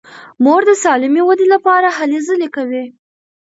مور د سالمې ودې لپاره هلې ځلې کوي.